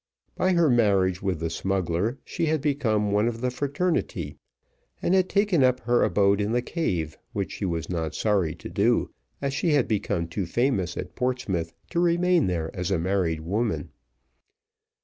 By her marriage with the smuggler, she had become one of the fraternity, and had taken up her abode in the cave, which she was not sorry to do, as she had become too famous at Portsmouth to remain there as a married woman.